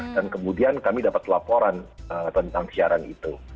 dan kemudian kami dapat laporan tentang siaran itu